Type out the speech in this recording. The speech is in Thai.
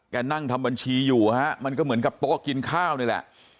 นั่งทำบัญชีอยู่ฮะมันก็เหมือนกับโต๊ะกินข้าวนี่แหละ